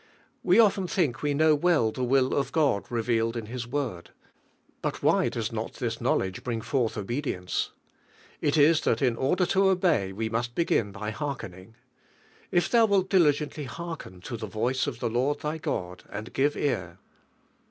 We often think we know well tin' will ii r God revealed in Ilis Word; but why does not this knowl edge bring forth obedience? ll is thai in order to obey we must begin by hemic oning. "If thou wilt diligently hearken to the voice of the Lord thy God ... and give ear